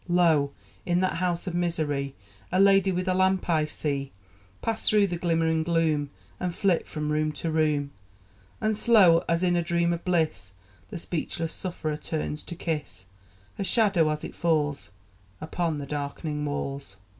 Lo! in that house of misery A lady with a lamp I see Pass through the glimmering gloom, And flit from room to room. And slow, as in a dream of bliss, The speechless sufferer turns to kiss Her shadow, as it falls Upon the darkening walls.